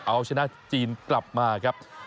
เอาชนะจีนกลับมาครับ